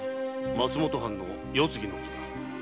松本藩の世継ぎのことだ。